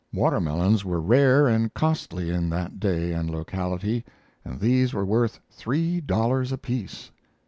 Watermelons were rare and costly in that day and locality, and these were worth three dollars apiece.